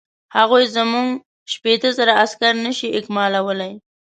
هغوی زموږ شپېته زره عسکر نه شي اکمالولای.